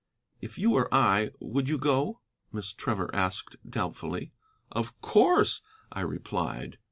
"If you were I, would you go?" Miss Trevor asked doubtfully. "Of course," I replied.